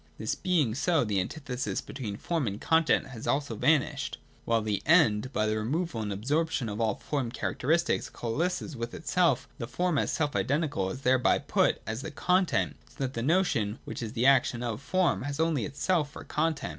This being so, the antithesis between form and content has also vanished. While the End by the removal and absorp tion of all form characteristics coalesces with itself, the form as self identical is thereby put as the content, so that the notion, which is the action of form, has only itself for content.